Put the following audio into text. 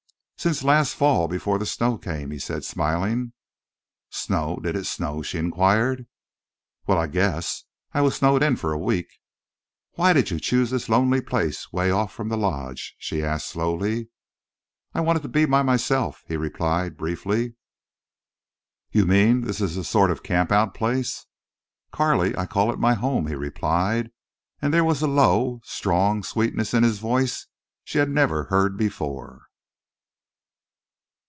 "Since last fall before the snow came," he said, smiling. "Snow! Did it snow?" she inquired. "Well, I guess. I was snowed in for a week." "Why did you choose this lonely place—way off from the Lodge?" she asked, slowly. "I wanted to be by myself," he replied, briefly. "You mean this is a sort of camp out place?" "Carley, I call it my home," he replied, and there was a low, strong sweetness in his voice she had never heard before.